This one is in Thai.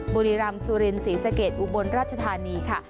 บุรีรำสุรินศรีสะเกดอุบลราชธานีค่ะ